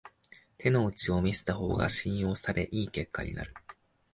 手の内を見せた方が信用され良い結果になる